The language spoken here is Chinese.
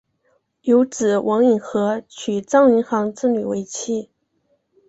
有子王尹和娶张云航之女为妻。